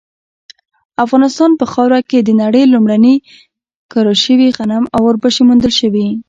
افغانستان په خاوره کې د نړۍ لومړني کره شوي غنم او وربشې موندل شوي